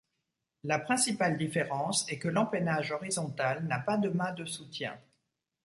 La principale différence est que l'empennage horizontal n'a pas de mâts de soutien.